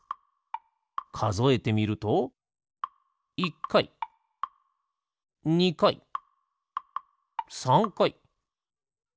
かぞえてみると１かい２かい３かい４